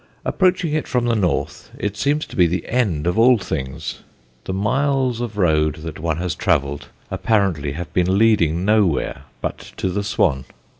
Approaching it from the north it seems to be the end of all things; the miles of road that one has travelled apparently have been leading nowhere but to the "Swan."